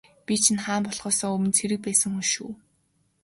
Би чинь хаан болохоосоо өмнө цэрэг байсан хүн шүү.